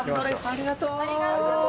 ありがとう！